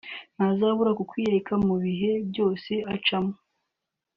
ntazabura kukwiyereka mu bihe byose ucamo